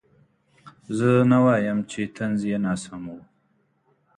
زه نه وایم چې طنز یې ناسم و.